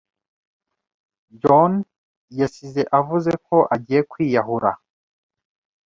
John yasize avuzeko agiye kwiyahura